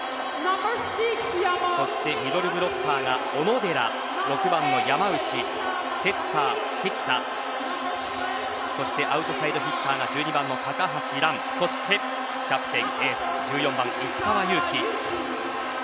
そしてミドルブロッカーが小野寺６番の山内セッター、関田そしてアウトサイドヒッターが１２番の高橋藍そして、キャプテンエース１４番、石川祐希。